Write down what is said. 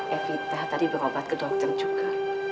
evita tadi berobat ke dokter juga